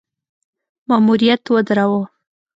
ماموریت ودراوه.